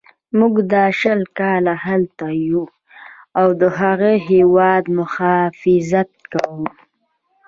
موږ دا شل کاله هلته یو او د هغه هیواد مخافظت کوو.